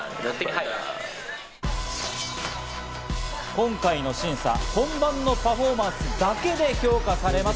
今回の審査、本番のパフォーマンスだけで評価されます。